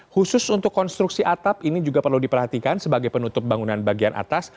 khusus untuk konstruksi atap ini juga perlu diperhatikan sebagai penutup bangunan bagian atas